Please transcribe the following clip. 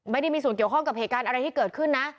ไม่ได้มีส่วนเกี่ยวข้องกับเหตุการณ์อะไรที่เกิดขึ้นนะ